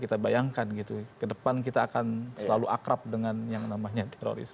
kita bayangkan gitu ke depan kita akan selalu akrab dengan yang namanya teroris